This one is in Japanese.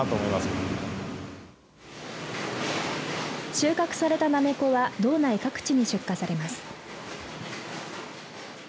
収穫されたなめこは道内各地に出荷されます。